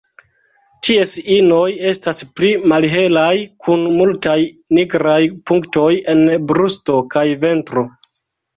Ties inoj estas pli malhelaj, kun multaj nigraj punktoj en brusto kaj ventro.